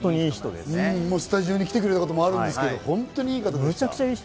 スタジオに来てくれたこともあるんですけど、いい方でした。